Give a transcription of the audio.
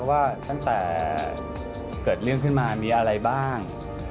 ว่าตั้งแต่เกิดเรื่องขึ้นมามีอะไรบ้าง